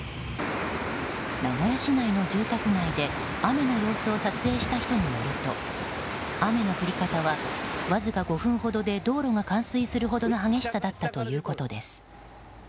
名古屋市内の住宅街で雨の様子を撮影した人によると雨の降り方は、わずか５分ほどで道路が冠水するほどの激しさだったということです。